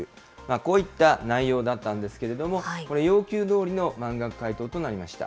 こういった内容だったんですけれども、この要求どおりの満額回答となりました。